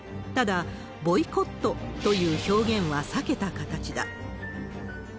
ただ、ボイコットという表現は避けた形だ。